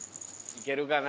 行けるかな？